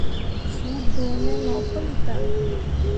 Suu gbǝ̃ǝ̃ me no puli tah.